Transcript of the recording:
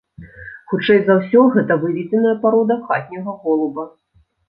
Хутчэй за ўсё гэта выведзеная парода хатняга голуба.